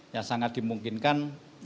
ya sangat dimungkinkan